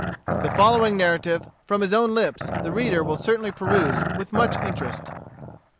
The following narrative from his own lips, the reader will certainly peruse with much interest.